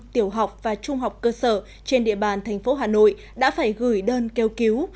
tiểu học và trung học cơ sở trên địa bàn thành phố hà nội đã phải gửi đơn kêu cứu